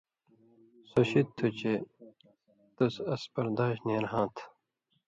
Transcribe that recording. سو شِدیۡ تُھو چے تُس اس برداش نېرہاں تھہ،